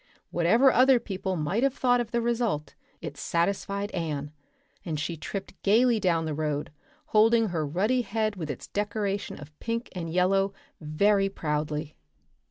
Whatever other people might have thought of the result it satisfied Anne, and she tripped gaily down the road, holding her ruddy head with its decoration of pink and yellow very proudly.